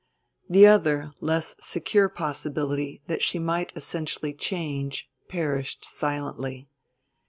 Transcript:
The other, less secure possibility that she might essentially change perished silently.